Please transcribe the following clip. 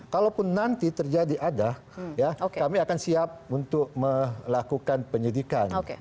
kalaupun nanti terjadi ada kami akan siap untuk melakukan penyidikan